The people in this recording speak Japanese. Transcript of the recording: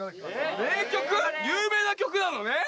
有名な曲なのね